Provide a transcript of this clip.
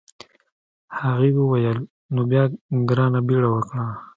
هغې وویل نو بیا ګرانه بیړه وکړه.